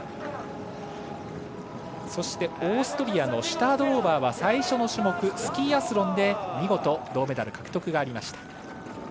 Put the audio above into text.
そして、オーストリアのシュタードローバーは最初の種目スキーアスロンで見事銅メダル獲得がありました。